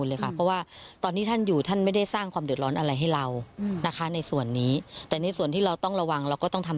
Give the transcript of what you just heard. ล่าสุดของล่าสุดโดนปลดเป็นที่เรียบร้อยแล้วนะค่ะ